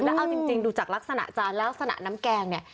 แล้วเอาจริงดูจากลักษณะจานลักษณะน้ำแกงเนี่ย